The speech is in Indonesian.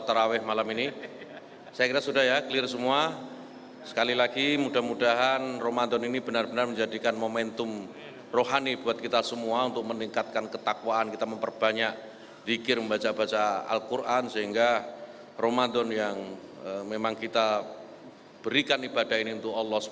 terima kasih atas segala perhatiannya